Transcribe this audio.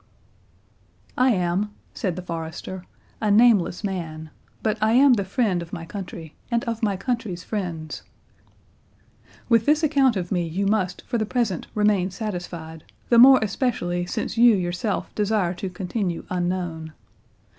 "I am," said the forester, "a nameless man; but I am the friend of my country, and of my country's friends—With this account of me you must for the present remain satisfied, the more especially since you yourself desire to continue unknown.